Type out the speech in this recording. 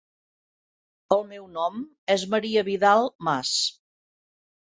El meu nom és Maria Vidal Mas.